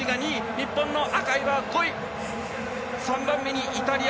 日本の赤井は５位。